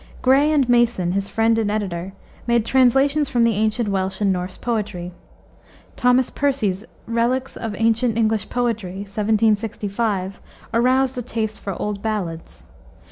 Gray and Mason, his friend and editor, made translations from the ancient Welsh and Norse poetry. Thomas Percy's Reliques of Ancient English Poetry, 1765, aroused a taste for old ballads.